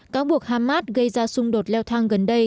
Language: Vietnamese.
cáo buộc hamas gây ra xung đột leo thang gần đây